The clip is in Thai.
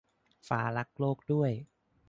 ฟ้ารักโลกด้วย